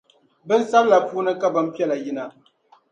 Bin’ sabila puuni ka bim’ piɛla yina.